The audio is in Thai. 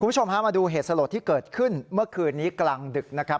คุณผู้ชมฮะมาดูเหตุสลดที่เกิดขึ้นเมื่อคืนนี้กลางดึกนะครับ